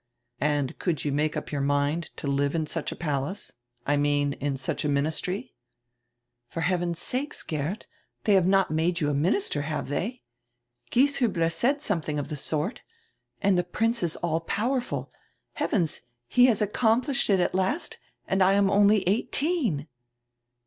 "And could you make up your mind to live in such a palace? I mean in such a ministry?" "For heaven's sake, Geert, they have not made you a minister, have they? Gieshiibler said something of the sort. And the Prince is all powerful. Heavens, he has accomplished it at last and I am only eighteen."